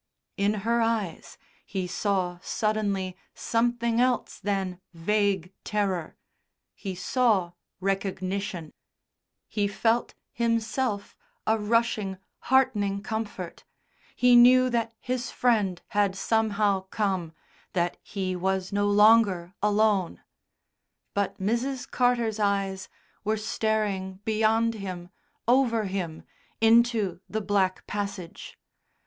In her eyes he saw suddenly something else than vague terror. He saw recognition. He felt himself a rushing, heartening comfort; he knew that his Friend had somehow come, that he was no longer alone. But Mrs. Carter's eyes were staring beyond him, over him, into the black passage.